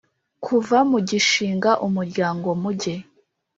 Kuva mugishinga umuryango muge